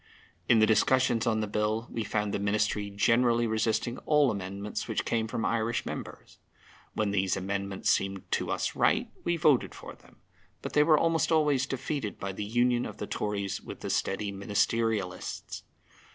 In the discussions on the Bill we found the Ministry generally resisting all amendments which came from Irish members. When these amendments seemed to us right, we voted for them, but they were almost always defeated by the union of the Tories with the steady Ministerialists.